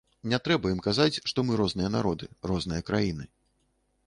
Не трэба ім казаць, што мы розныя народы, розныя краіны.